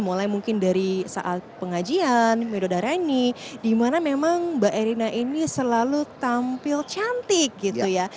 mulai mungkin dari saat pengajian medodareni di mana memang mbak erina ini selalu tampil cantik gitu ya